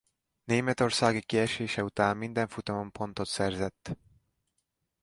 Németországi kiesése után minden futamon pontot szerzett.